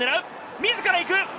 自らいく！